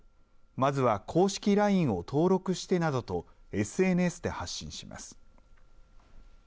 まずは公式ＬＩＮＥを登録してなどとＳＮＳで発信します。